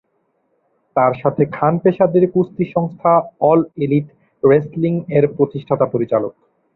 তার সাথে খান পেশাদারি কুস্তি সংস্থা অল এলিট রেসলিং এর প্রতিষ্ঠাতা পরিচালক।